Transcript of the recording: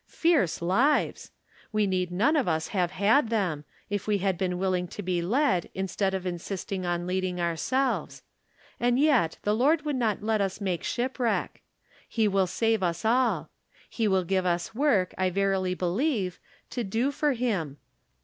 Fierce lives ! We need none of us have had them, if we had been willing to be led, instead of insisting on leading ourselves. And yet the Lord would not let us make shipwreck. He will save us all. He will give us work, I verily believe, to do for him.